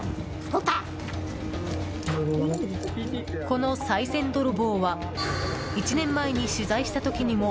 このさい銭泥棒は１年前に取材した時にも